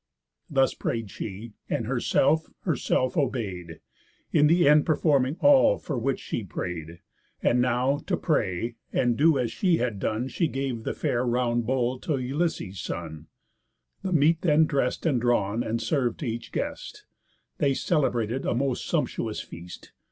Thus pray'd she; and herself herself obey'd, In th' end performing all for which she pray'd. And now, to pray, and do as she had done, She gave the fair round bowl t' Ulysses' son. The meat then dress'd, and drawn, and serv'd t' each guest, They celebrated a most sumptuous feast.